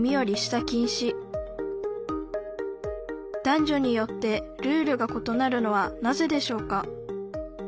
男女によってルールがことなるのはなぜでしょうか？